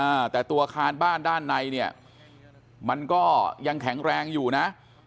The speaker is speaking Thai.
อ่าแต่ตัวอาคารบ้านด้านในเนี่ยมันก็ยังแข็งแรงอยู่นะ